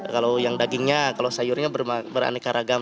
kalau yang dagingnya kalau sayurnya beraneka ragam